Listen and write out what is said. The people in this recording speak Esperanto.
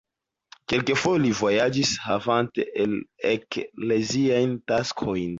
Kelkfoje li vojaĝis havanta ekleziajn taskojn.